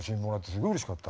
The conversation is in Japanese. すげえうれしかった。